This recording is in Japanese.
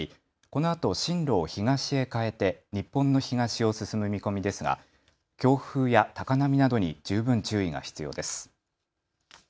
このあと進路を東へ変えて日本の東を進む見込みですが、強風や高波などに十分注意が必要です。